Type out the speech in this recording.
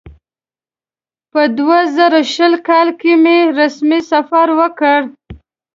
په دوه زره شل کال کې مې رسمي سفر وکړ.